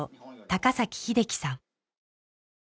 高崎英樹さん